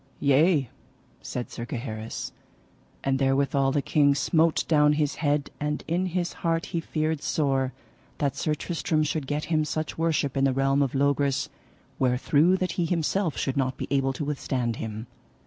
Yea, said Sir Gaheris. And therewithal the king smote down his head, and in his heart he feared sore that Sir Tristram should get him such worship in the realm of Logris wherethrough that he himself should not be able to withstand him.